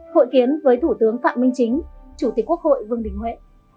hội kiến với thủ tướng phạm minh chính chủ tịch quốc hội vương đình huệ